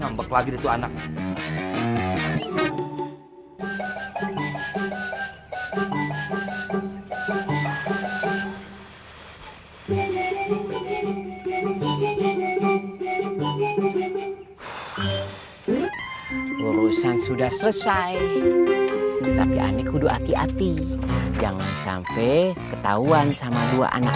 anak anak urusan sudah selesai tapi aneh kudu hati hati jangan sampai ketahuan sama dua anak